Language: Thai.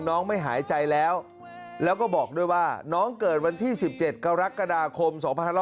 ไม่หายใจแล้วแล้วก็บอกด้วยว่าน้องเกิดวันที่๑๗กรกฎาคม๒๕๖๒